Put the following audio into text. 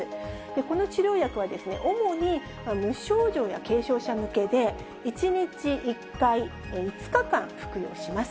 この治療薬は、主に無症状や軽症者向けで、１日１回、５日間服用します。